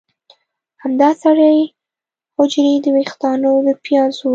همدا سرې حجرې د ویښتانو د پیازو